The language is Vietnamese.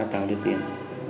tạo điều kiện